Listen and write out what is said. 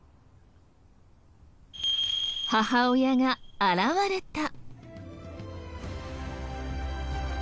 母親が現れた。